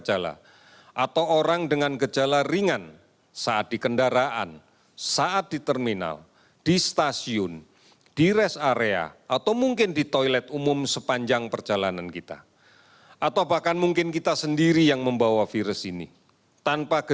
jumlah kasus yang diperiksa sebanyak empat puluh delapan enam ratus empat puluh lima